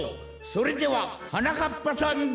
それでははなかっぱさんどうぞ！